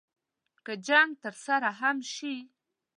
که جنګ ترسره هم شي.